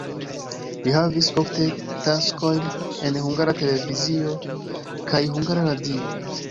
Li havis ofte taskojn en Hungara Televizio kaj Hungara Radio.